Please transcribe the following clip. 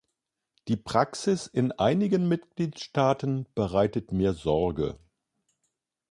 Die Praxis in einigen Mitgliedstaaten bereitet mir Sorge.